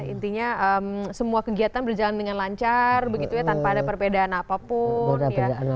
intinya semua kegiatan berjalan dengan lancar tanpa ada perbedaan apapun